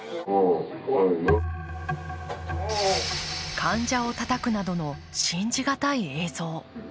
患者をたたくなどの信じがたい映像。